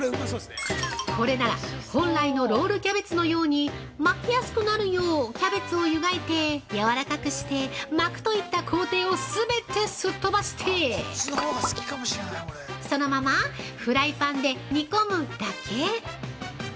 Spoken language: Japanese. これなら、本来のロールキャベツのように巻きやすくなるようキャベツを湯がいてやわらかくして巻くといった工程を全てすっとばしてそのままフライパンで煮込むだけ。